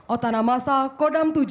otanamasa kodam tujuh